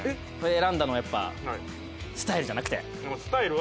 選んだのはやっぱスタイルじゃなくて？